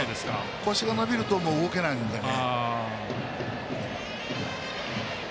腰が伸びると動けないのでね。